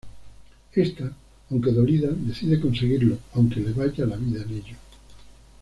Ésta, aunque dolida, decide conseguirlo aunque le vaya la vida en ello.